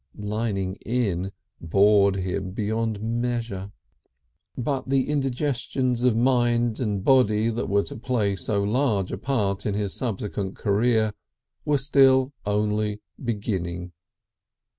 "Lining in" bored him beyond measure. But the indigestions of mind and body that were to play so large a part in his subsequent career were still only beginning.